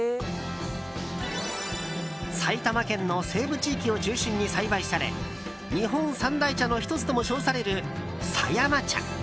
埼玉県の西部地域を中心に栽培され日本三大茶の１つとも称される狭山茶。